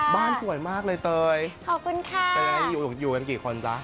สวยมากเลยเตยขอบคุณค่ะเตยอยู่อยู่กันกี่คนจ๊ะ